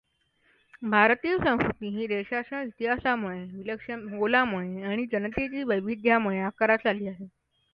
भारतीय संस्कृती ही देशाच्या इतिहासामुळे, विलक्षण भूगोलामुळे आणि जनतेतील वैविध्यामुळे आकारास आली आहे.